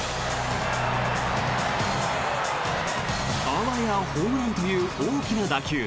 あわやホームランという大きな打球。